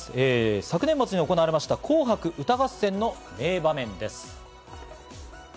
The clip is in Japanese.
昨年末に行われた『紅白歌合戦』の名場面です。